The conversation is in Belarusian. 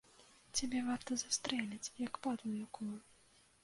Цябе варта застрэліць, як падлу якую!